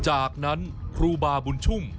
จากนั้นครูบาบุญชุ่ม